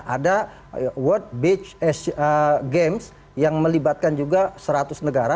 ada world beach games yang melibatkan juga seratus negara